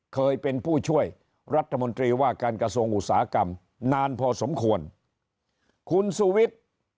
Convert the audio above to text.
เคยเป็นผู้ช่วยรัฐมนตรีว่าการกระทรวงอุตสาหกรรมนานพอสมควรคุณสุวิทย์